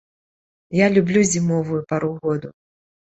Я люблю зімовую пару году.